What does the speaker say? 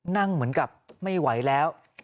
นั่งเหมือนกับไม่ไหวแล้ว